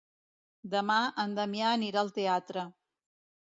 Demà en Damià anirà al teatre.